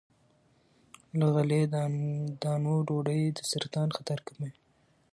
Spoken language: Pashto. له غلې- دانو ډوډۍ د سرطان خطر کموي.